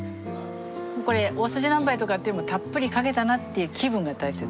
これ大さじ何杯とかってよりもたっぷりかけたなっていう気分が大切。